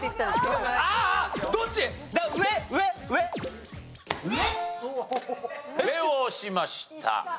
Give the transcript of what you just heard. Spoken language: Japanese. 上を押しました。